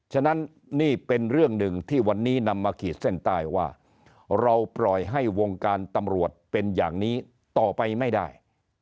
ฉะนั้นนี่เป็นเรื่องหนึ่งที่วันนี้นำมาขีดเส้นใต้ว่าเราปล่อยให้วงการตำรวจเป็นอย่างนี้ต่อไปไม่ได้